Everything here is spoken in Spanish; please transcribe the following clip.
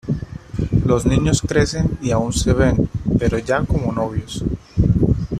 Los niños crecen y aún se ven, pero ya como novios.